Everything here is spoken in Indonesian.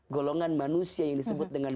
golongan manusia yang disebut dengan